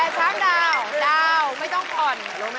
แต่ช้างดาวดาวไม่ต้องผ่อน